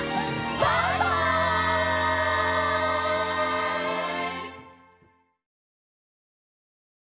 バイバイ！